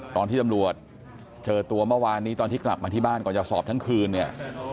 ตอนที่ตำรวจเจอตัวเมื่อวานนี้ตอนที่กลับมาที่บ้านก่อนจะสอบทั้งคืนเนี่ย